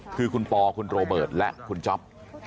คือคุณปอคุณโรเบิร์ตและคุณจ๊อป